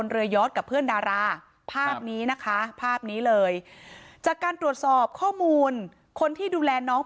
เรือยอดกับเพื่อนดาราภาพนี้นะคะภาพนี้เลยจากการตรวจสอบข้อมูลคนที่ดูแลน้อง